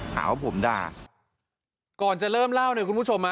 หาว่าผมด่าก่อนจะเริ่มเล่าเนี่ยคุณผู้ชมฮะ